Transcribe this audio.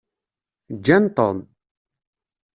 Ǧǧan Tom.